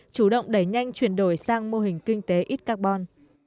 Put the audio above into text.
chủ động đẩy nhanh chuyển đổi sang mô hình kinh tế ít carbon